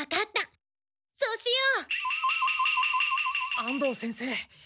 安藤先生。